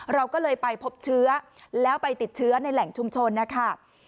เราก็เลยไปพบเชื้อแล้วไปติดเชื้อในแหล่งชุมชนนะคะ